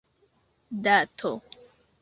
dato